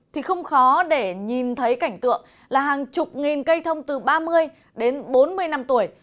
thì không khó để nhìn thấy cảnh tượng là hàng chục nghìn cây thông từ ba mươi đến bốn mươi năm tuổi